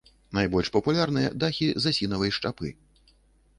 Найбольш папулярныя дахі з асінавай шчапы.